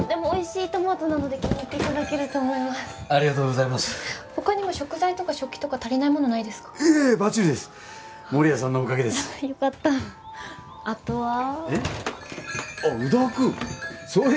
おいしそ